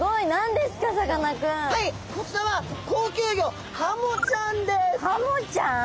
こちらは高級魚ハモちゃんです！